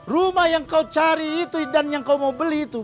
rumah yang kau cari itu dan yang kau mau beli itu